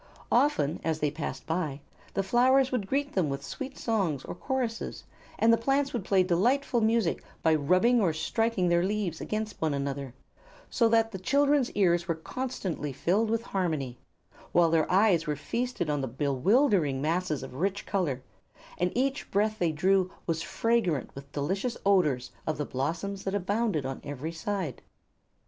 Often, as they passed by, the flowers would greet them with sweet songs or choruses and the plants would play delightful music by rubbing or striking their leaves against one another, so that the children's ears were constantly filled with harmony, while their eyes were feasted on the bewildering masses of rich color, and each breath they drew was fragrant with the delicious odors of the blossoms that abounded on every side.